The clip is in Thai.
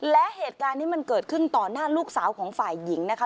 และเหตุการณ์ที่มันเกิดขึ้นต่อหน้าลูกสาวของฝ่ายหญิงนะคะ